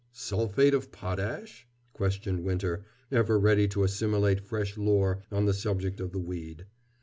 "Sulphate of potash?" questioned Winter, ever ready to assimilate fresh lore on the subject of the weed.